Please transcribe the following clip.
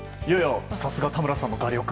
さすが田村さんの画力。